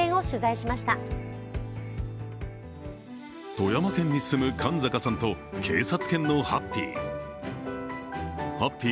富山県に住む勘坂さんと警察犬のハッピー。